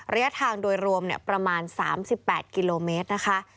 ระยะทางโดยรวมประมาณ๓๘กิโลเมตรนะคะ